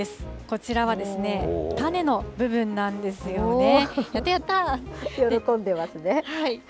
こちらは種の部分なんですよね。